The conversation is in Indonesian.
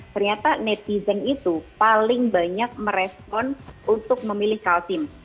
ternyata netizen itu paling banyak merespon untuk memilih kalsim